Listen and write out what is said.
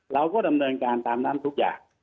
เราก็ดำเนินการตามนั้นทุกอย่าง